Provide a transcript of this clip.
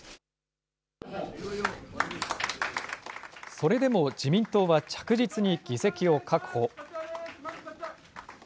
それでも自民党は着実に議席を確保。